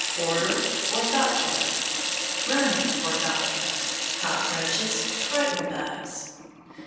ORDER ORTHOPTERA. Running Orthoptera. Cockroaches, Croton Bugs.